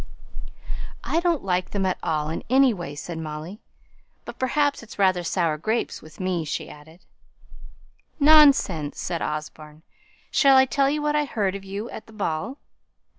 "I don't like them at all in any way," said Molly. "But, perhaps, it's rather sour grapes with me," she added. "Nonsense!" said Osborne. "Shall I tell you what I heard of you at the ball?"